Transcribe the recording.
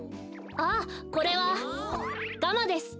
ああこれはガマです。